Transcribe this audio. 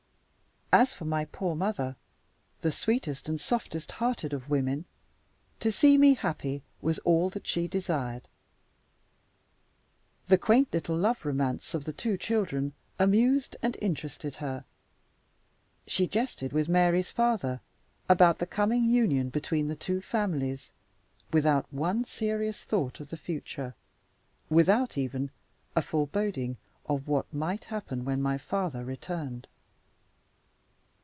As for my poor mother the sweetest and softest hearted of women to see me happy was all that she desired. The quaint little love romance of the two children amused and interested her. She jested with Mary's father about the coming union between the two families, without one serious thought of the future without even a foreboding of what might happen when my father returned.